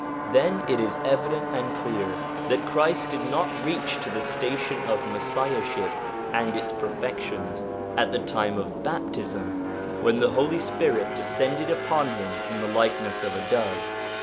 Then it is evident and clear that Christ did not reach to the station of Messiahship and its perfections at the time of baptism, when the Holy Spirit descended upon him in the like ness of a dove.